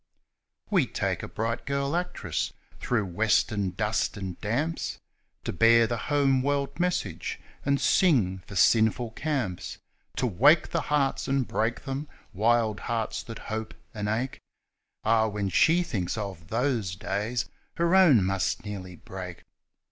41 We take a bright girl actress through western dust and damps, To bear the home world message, and sing for sinful camps, To wake the hearts and break them, wild hearts that hope and ache (Ah ! when she thinks of those days her own must nearly break